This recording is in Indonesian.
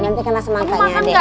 nanti kena semangkanya adik